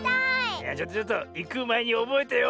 いやちょっとちょっといくまえにおぼえてよ。